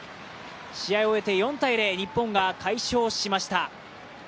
試合を終えて４−０、日本が快勝しました。